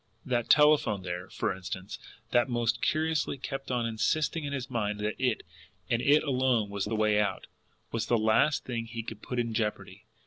That telephone there, for instance, that most curiously kept on insisting in his mind that it, and it alone was the way out, was the last thing he could place in jeopardy.